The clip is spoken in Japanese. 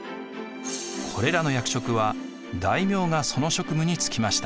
これらの役職は大名がその職務に就きました。